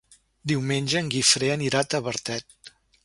Diumenge en Guifré anirà a Tavertet.